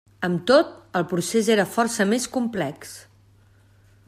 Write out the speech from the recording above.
Amb tot, el procés era força més complex.